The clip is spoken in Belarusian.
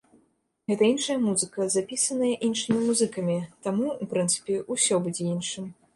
Гэта іншая музыка, запісаная іншымі музыкамі, таму, у прынцыпе, усё будзе іншым.